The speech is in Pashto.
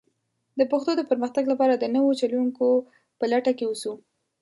د پښتو د پرمختګ لپاره د نوو چلوونکو په لټه کې ووسو.